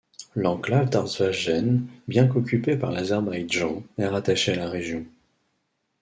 L'enclave d'Artsvashen, bien qu'occupée par l'Azerbaïdjan, est rattachée à la région.